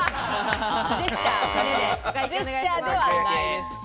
ジェスチャーではないです。